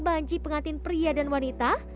bagi pengantin pria dan wanita